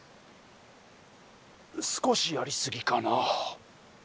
少しやりすぎかな。